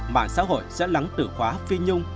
mạng xã hội sẽ lắng tử khóa phi nhung